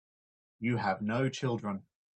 You have no children.